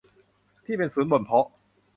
ที่เป็นศูนย์บ่มเพาะ